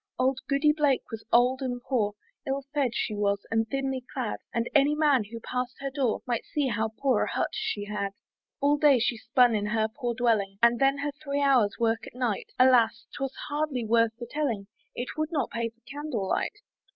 Auld Goody Blake was old and poor, Ill fedd she was, and thinly clad; And any man who pass'd her door, Might see how poor a hut she had. All day she spun in her poor dwelling, And then her three hours' work at night! Alas! 'twas hardly worth the telling, It would not pay for candle light.